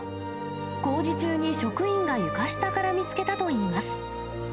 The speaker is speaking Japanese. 工事中に職員が床下から見つけたといいます。